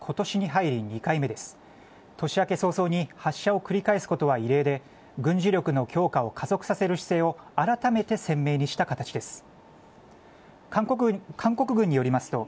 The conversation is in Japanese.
年明け早々に発射を繰り返すことは異例で、軍事力の強化を加速させる姿勢を改めて鮮明にした形です。